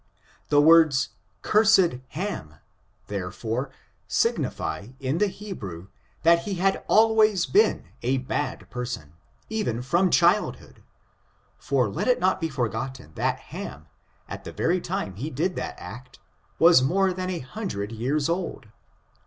The words, cursed Ham, therefore, signify, in the Hebrew, that he had been always a bad person, even from childhood ; for let it not be forgotten that Hani, at the very time he did that act, was more than a hundred years old.